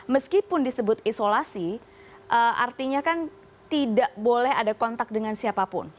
meskipun disebut isolasi artinya kan tidak boleh ada kontak dengan siapapun